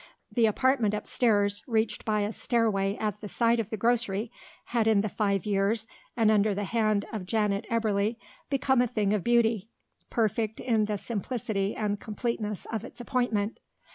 The apartment upstairs, reached by a stairway at the side of the grocery, had in the five years, and under the hand of Janet Eberly, become a thing of beauty, perfect in the simplicity and completeness of its appointment.